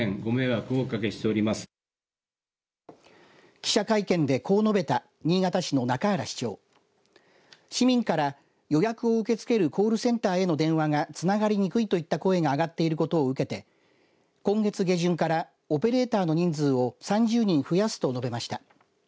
記者会見でこう述べた新潟市の中原市長市民から予約を受け付けるコールセンターへの電話がつながりにくいといった声が上がっていることを受けて今月下旬からオペレーターの人数を３０人増やすと述べました。